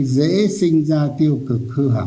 dễ sinh ra tiêu cực hư hảo